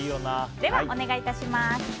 では、お願い致します。